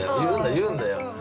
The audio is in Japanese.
言うんだよ。